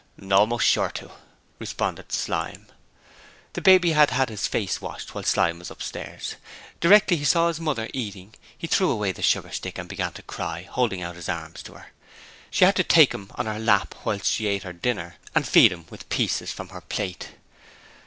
'Almost sure to,' responded Slyme. The baby had had his face washed while Slyme was upstairs. Directly he saw his mother eating he threw away the sugar stick and began to cry, holding out his arms to her. She had to take him on her lap whilst she ate her dinner, and feed him with pieces from her plate.